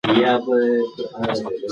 ایا مرهټیانو بیا په هند واکمني وکړه؟